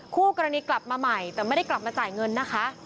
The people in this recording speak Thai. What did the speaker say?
คู่กรณีกลับมาใหม่แต่ไม่ได้กลับมาจ่ายเงินนะคะ